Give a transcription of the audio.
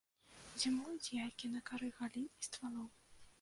Зімуюць яйкі на кары галін і ствалоў.